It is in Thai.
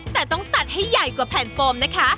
แต่ต้องตัดให้ใหญ่กว่าแผ่นโฟมนะคะ